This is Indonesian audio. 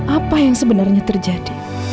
apa yang sebenarnya terjadi